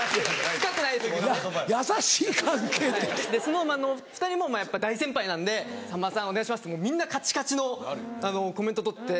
ＳｎｏｗＭａｎの２人もやっぱ大先輩なんで「さんまさんお願いします」ってみんなカチカチのコメント撮って。